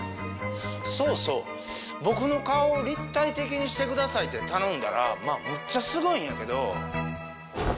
そうそう僕の顔を立体的にしてくださいって頼んだらまぁむっちゃすごいんやけど。